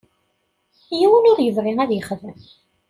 Yiwen ur yebɣi ad yexdem.